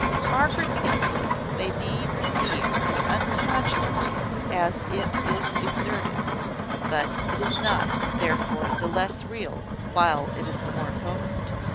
Margaret's influence may be received as unconsciously as it is exerted, but it is not, therefore, the less real, while it is the more potent.